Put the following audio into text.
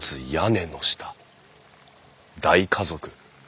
大家族？